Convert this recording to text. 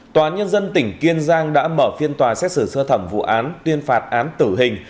tòa án nhân dân tỉnh kiên giang đã mở phiên tòa xét xử sơ thẩm vụ án tuyên phạt án tử hình